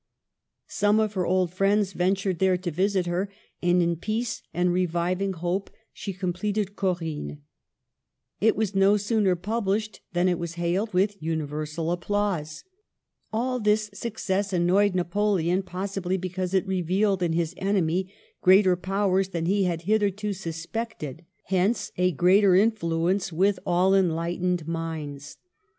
Some of her old friends ventured there to visit her, and in peace and reviving hope she completed Corinne. It was no sooner published than it was hailed with universal applause. All this success annoyed Napoleon, possibly because it revealed in his enemy greater powers than he had hitherto suspected, hence a greater influence with all enlightened minds.